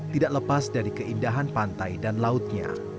tidak lepas dari keindahan pantai dan lautnya